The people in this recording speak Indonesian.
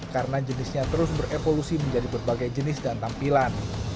karena jenisnya terus berevolusi menjadi berbagai jenis dan tampilan